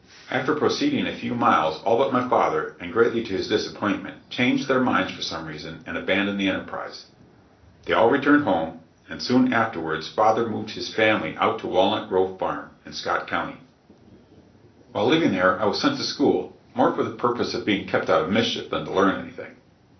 After proceeding a few miles, all but my father, and greatly to his disappointment, changed their minds for some reason and abandoned the enterprise. They all returned home, and soon afterwards father moved his family out to Walnut Grove Farm, in Scott county. [Illustration: YOUTHFUL ADVENTURES.] While living there I was sent to school, more for the purpose of being kept out of mischief than to learn anything.